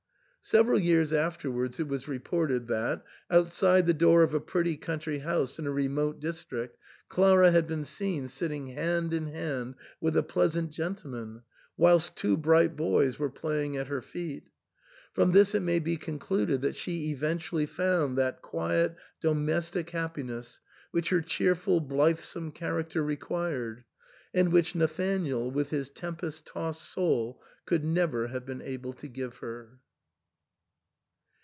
Several years afterwards it was reported that, outside the door of a pretty country house in a remote district, Clara had been seen sitting hand in hand with a pleas ant gentleman, whilst two bright boys were playing at her feet. From this it may be concluded that she eventually found that quiet domestic happiness which her cheerful, blithesome character required, and which Nathanael, with his tempest tossed soul, could never have been able to give her.